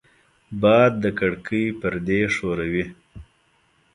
باد د کړکۍ پردې ښوروي